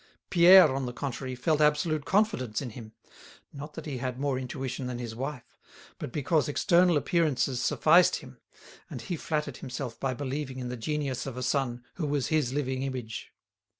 Pierre, on the contrary, felt absolute confidence in him, not that he had more intuition than his wife, but because external appearances sufficed him, and he flattered himself by believing in the genius of a son who was his living image.